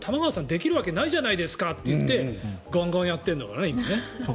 できるわけないじゃないですかって言ってガンガンやってるんだからね。